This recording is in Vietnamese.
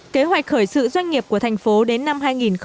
kế hoạch khởi sự doanh nghiệp của thành phố đến năm hai nghìn hai mươi